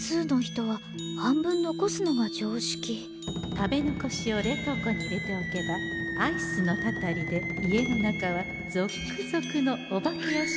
食べ残しを冷凍庫に入れておけばアイスのたたりで家の中はぞっくぞくのお化けやしきに大変身。